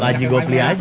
lagi gua beli aja